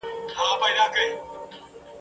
د وګړو آوازونه لوړېدله ..